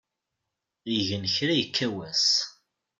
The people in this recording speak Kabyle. Igen kra ikka wass.